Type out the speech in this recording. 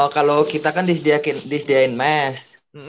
kalau kita kan disediain mesh